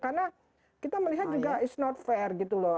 karena kita melihat juga it's not fair gitu loh